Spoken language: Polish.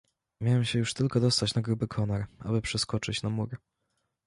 "Miałem się już tylko dostać na gruby konar, aby przeskoczyć na mur."